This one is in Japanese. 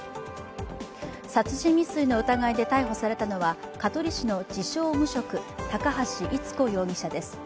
殺人未遂の疑いで逮捕されたのは香取市の自称・無職、高橋伊都子容疑者です。